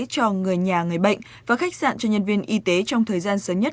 cho người nhà người bệnh và khách sạn cho nhân viên y tế trong thời gian sớm nhất